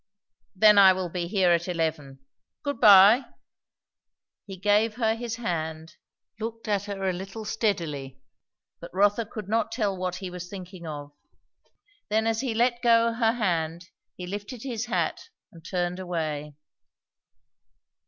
"Then I will be here at eleven. Good bye!" He gave her his hand, looked at her a little steadily, but Rotha could not tell what he was thinking of; then as he let go her hand he lifted his hat and turned away.